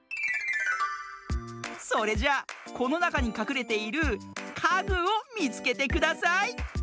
それじゃあこのなかにかくれている「かぐ」をみつけてください。